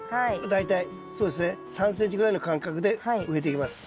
大体そうですね３ｃｍぐらいの間隔で植えていきます。